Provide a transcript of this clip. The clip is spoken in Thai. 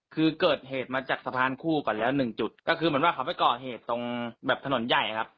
คือเกิดเหตุมาจากสะพานคู่ก่อนแล้วหนึ่งจุดก็คือเหมือนว่าเขาไปก่อเหตุตรงแบบถนนใหญ่ครับ